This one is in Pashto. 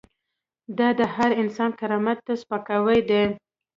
دا د هر انسان کرامت ته سپکاوی دی.